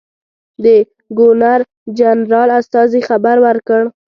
د ګورنرجنرال استازي خبر ورکړ.